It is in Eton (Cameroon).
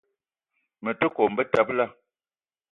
Me te kome betebela.